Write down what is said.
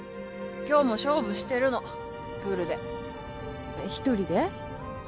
今日も勝負してるのプールで一人で？